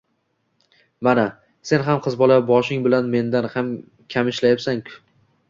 Mana, sen ham qiz bola boshing bilan mendan kam ishlamayapsan-ku